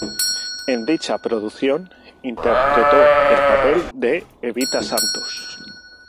En dicha producción interpretó el papel de Evita Santos.